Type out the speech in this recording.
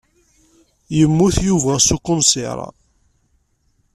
Yemmut Yuba s ukunṣiṛ.